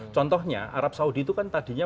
contohnya arab saudi itu kan tadinya